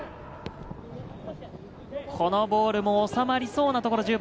このボールも収まりそうなところ。